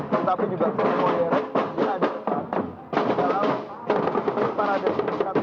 tetapi juga kesenian modern yang ada di sini